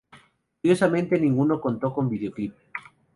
Curiosamente ninguno contó con vídeo Clip.